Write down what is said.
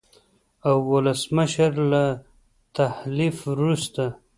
او ولسمشر له تحلیف وروسته